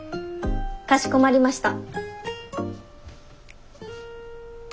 かしこまりました。